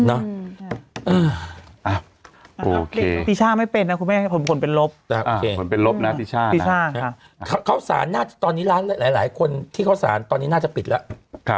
อ่าโอเคติช่าไม่เป็นนะคุณแม่ผลเป็นลบผลเป็นลบนะติช่าเขาสารตอนนี้หลายคนที่เขาสารตอนนี้น่าจะปิดแล้ว